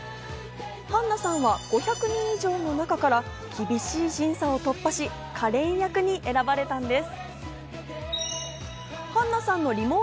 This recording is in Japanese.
絆菜さんは５００人以上の中から厳しい審査を突破し花恋役に選ばれたんです。